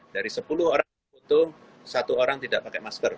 dari sepuluh orang yang butuh satu orang tidak pakai masker